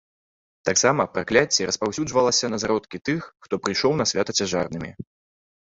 Таксама пракляцце распаўсюджвалася на зародкі тых, хто прыйшоў на свята цяжарнымі.